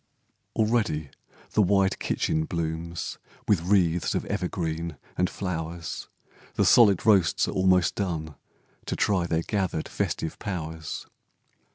Already the wide kitchen blooms With wreaths of evergreens and flowers, The solid roasts are almost done, To try their gathered festive powers.